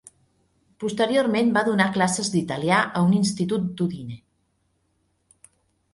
Posteriorment va donar classes d'italià a un institut d'Udine.